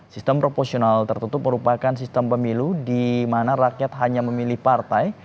sistem proporsional tertutup merupakan sistem pemilu di mana rakyat hanya memilih partai